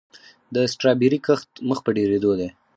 د سټرابیري کښت مخ په ډیریدو دی.